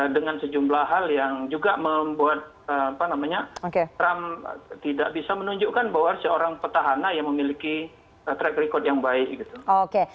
dengan sejumlah hal yang juga membuat trump tidak bisa menunjukkan bahwa seorang petahana yang memiliki track record yang baik gitu